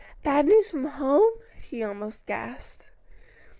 "Bad news from home?" she almost gasped.